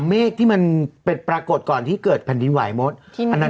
แม่ที่มันเป็นปรากฏก่อนที่เกิดผนดินไหวโมดอันทั้งโอมากนะคะ